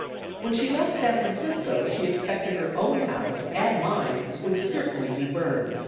When she left San Francisco she expected her own house and mine would certainly be burned.